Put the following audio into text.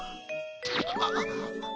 あっ。